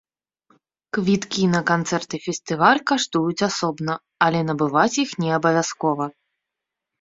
Квіткі на канцэрт і фестываль каштуюць асобна, але набываць іх не абавязкова.